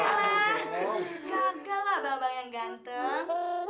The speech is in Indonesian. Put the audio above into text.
gak ke lah bang bang yang ganteng